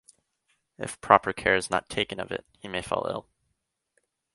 If proper care is not taken of it, he may fall ill.